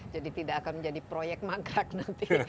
jadi tidak akan menjadi proyek magrak nanti